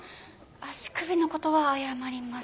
足首のことは謝ります。